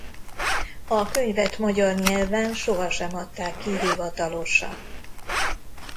A könyvet magyar nyelven sohasem adták ki hivatalosan.